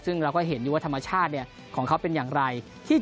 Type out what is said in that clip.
ซึ่งเราก็เห็นว่าธรรมชาติ